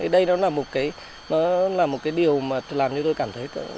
đây nó là một cái điều mà làm cho tôi cảm thấy